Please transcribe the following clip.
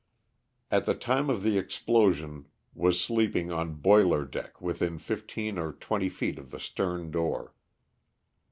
At the time of the explosion wa^ sleeping on boiler deck within fifteen or twenty feet of the stern door.